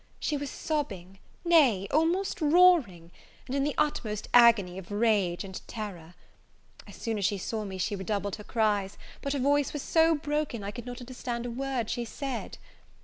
She was sobbing, nay, almost roaring, and in the utmost agony of rage and terror. As soon as she saw me, she redoubled her cries; but her voice was so broken, I could not understand a word she said.